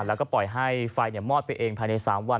แล้วก็ปล่อยให้ไฟมอดไปเองภายใน๓วัน